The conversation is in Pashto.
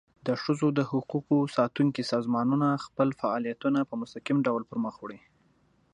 د ښځو د حقوقو ساتونکي سازمانونه خپل فعالیتونه په مستقل ډول پر مخ وړي.